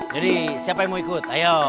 jadi siapa yang mau ikut ayo